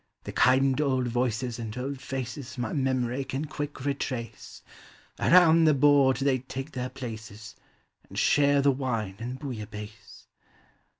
The kind old voices and old faces My memory can quick retrace; Around the board they take their places, And share the wine and Bouillabaisse.